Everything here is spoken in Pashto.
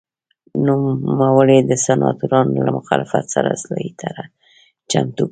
نوموړي د سناتورانو له مخالفت سره اصلاحي طرحه چمتو کړه